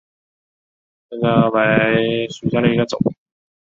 匍枝毛茛为毛茛科毛茛属下的一个种。